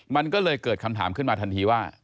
มันก็เลยเกิดคำถามขึ้นมาทันทีว่า